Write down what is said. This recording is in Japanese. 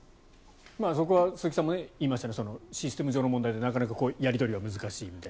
そこは鈴木さんも言いましたがシステム上の問題でなかなかやり取りが難しいみたいな。